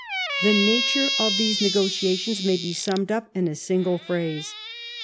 The nature of those negotiations may be summed up in a single phrase.